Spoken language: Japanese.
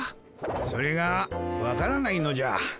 それがわからないのじゃ。